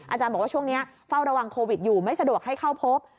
อาจารย์บอกว่าช่วงนี้เฝ้าระวังโควิดอยู่ไม่สะดวกให้เข้าพบ